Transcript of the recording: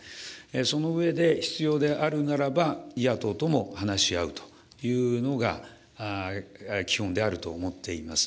その上で、必要であるならば、野党とも話し合うというのが基本であると思っています。